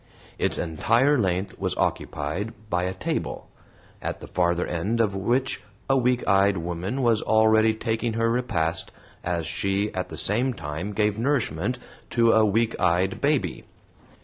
Its entire length was occupied by a table, at the farther end of which a weak eyed woman was already taking her repast as she at the same time gave nourishment to a weak eyed baby.